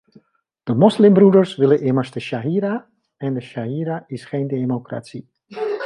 De moslimbroeders willen immers de sharia en de sharia is geen democratie.